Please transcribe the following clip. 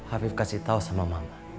afif kasih tau sama mama